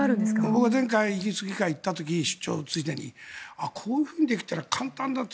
僕は前回イギリス議会に行った時、出張でこういうふうにできたら簡単だと。